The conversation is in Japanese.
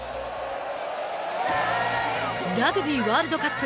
ラグビーワールドカップ。